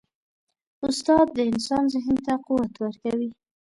استاد د انسان ذهن ته قوت ورکوي.